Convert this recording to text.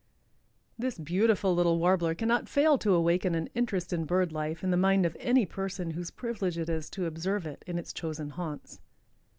_) This beautiful little Warbler cannot fail to awaken an interest in bird life in the mind of any person whose privilege it is to observe it in its chosen haunts.